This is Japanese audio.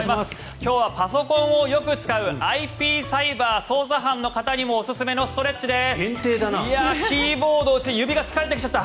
今日はパソコンをよく使うＩＰ・サイバー捜査班の方にもおすすめのストレッチです。